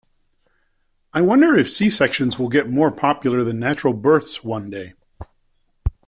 I wonder if C-sections will get more popular than natural births one day.